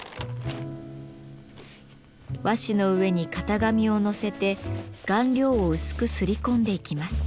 和紙の上に型紙を載せて顔料を薄く摺り込んでいきます。